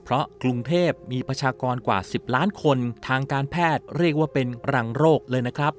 เพราะกรุงเทพมีประชากรกว่า๑๐ล้านคนทางการแพทย์เรียกว่าเป็นรังโรคเลยนะครับ